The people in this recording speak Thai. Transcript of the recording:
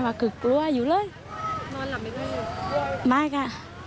มาเลยค่ะ